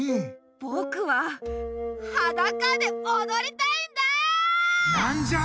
ぼくははだかでおどりたいんだあ！